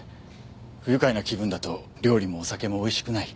不愉快な気分だと料理もお酒も美味しくない。